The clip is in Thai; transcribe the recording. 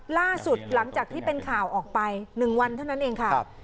ล่าสุดหลังจากที่เป็นข่าวออกไป๑วันเท่านั้นเองค่ะ